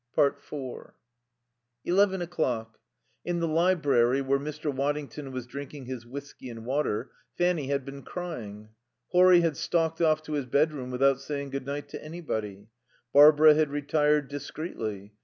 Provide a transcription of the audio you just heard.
4 Eleven o'clock. In the library where Mr. Waddington was drinking his whisky and water, Fanny had been crying. Horry had stalked off to his bedroom without saying good night to anybody. Barbara had retired discreetly.